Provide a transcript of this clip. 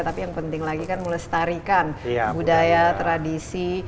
tapi yang penting lagi kan melestarikan budaya tradisi